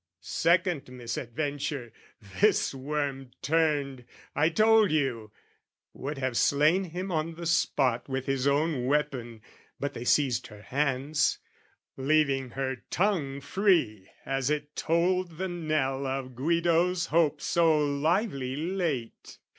Second misadventure, this worm turned, I told you: would have slain him on the spot With his own weapon, but they seized her hands: Leaving her tongue free, as it tolled the knell Of Guido's hope so lively late.